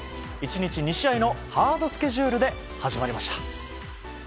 １日２試合のハードスケジュールで始まりました。